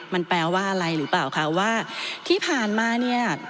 มันแปลว่าอะไรหรือเปล่าคะว่าที่ผ่านมาเนี่ย